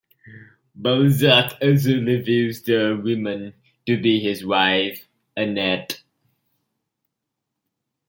Balzac also reveals the woman to be his wife, Annette.